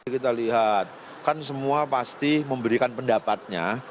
kita lihat kan semua pasti memberikan pendapatnya